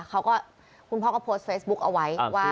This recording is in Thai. คุณพ่อก็โพสต์เฟซบุ๊คเอาไว้ว่า